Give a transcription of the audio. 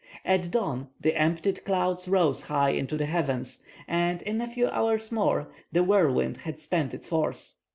At dawn, the emptied clouds rose high into the heavens; and, in a few hours more, the whirlwind had spent its force.